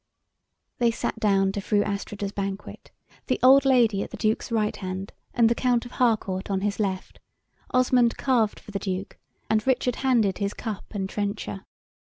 They sat down to Fru Astrida's banquet, the old Lady at the Duke's right hand, and the Count of Harcourt on his left; Osmond carved for the Duke, and Richard handed his cup and trencher.